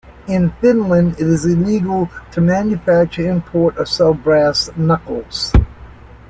In Finland, it is illegal to manufacture, import or sell brass knuckles.